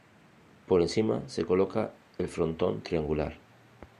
Por encima se coloca el frontón triangular.